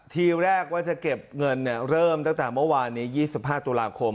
ทีแรกว่าจะเก็บเงินเริ่มตั้งแต่เมื่อวานนี้๒๕ตุลาคม